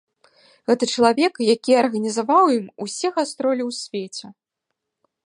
Гэта чалавек, які арганізаваў ім усе гастролі ў свеце.